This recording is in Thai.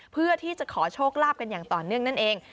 เพื่อที่จะขอโชคลาภกันอย่างต่อเนื่องนั่นเอง